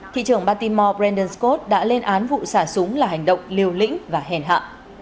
thị trưởng baltimore brandon scott đã lên án vụ sả súng là hành động liều lĩnh và hèn hạ